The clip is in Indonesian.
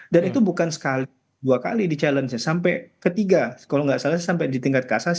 dan itu bukan sekali dua kali di challenge nya sampai ketiga kalau nggak salah sampai di tingkat kasasi